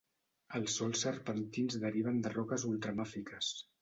Els sòls serpentins deriven de roques ultramàfiques.